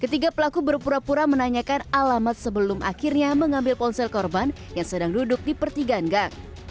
ketiga pelaku berpura pura menanyakan alamat sebelum akhirnya mengambil ponsel korban yang sedang duduk di pertigaan gang